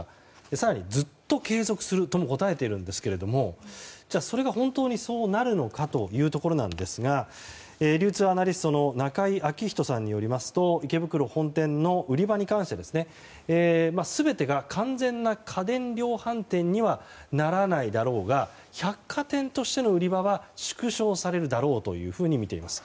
更に、ずっと継続するとも答えているんですけれどもそれが本当にそうなるのかというところなんですが流通アナリストの中井彰人さんによりますと池袋本店の売り場に関して全てが完全な家電量販店にはならないだろうが百貨店としての売り場は縮小されるだろうとみています。